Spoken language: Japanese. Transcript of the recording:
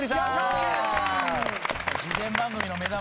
事前番組の目玉。